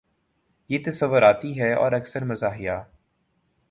یہ تصوراتی ہے اور اکثر مزاحیہ